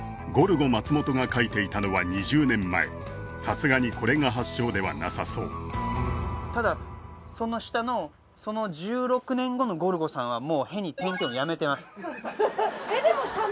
ゴルゴ松本が書いていたのは２０年前さすがにこれが発祥ではなさそうただその下のその１６年後のゴルゴさんはもう「へ」に点々をやめてます